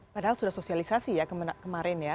padahal sudah sosialisasi ya kemarin ya